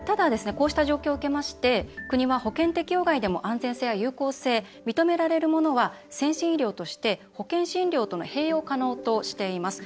こうした状況を受けまして国は保険適用外でも安全性や有効性認められるものは先進医療として保険診療との併用可能としています。